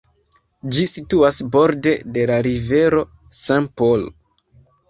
Ĝi situas borde de la rivero St. Paul.